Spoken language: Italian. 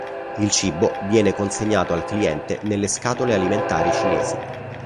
Il cibo viene consegnato al cliente nelle scatole alimentari cinesi.